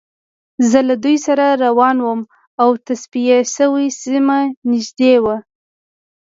زه له دوی سره روان وم او تصفیه شوې سیمه نږدې وه